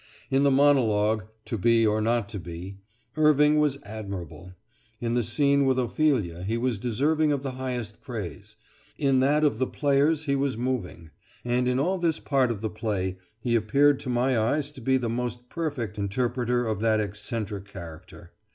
In the monologue, "To be or not to be," Irving was admirable; in the scene with Ophelia he was deserving of the highest praise; in that of the Players he was moving, and in all this part of the play he appeared to my eyes to be the most perfect interpreter of that eccentric character.